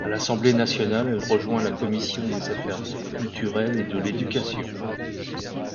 À l'Assemblée nationale, elle rejoint la Commission des Affaires culturelles et de l'Éducation.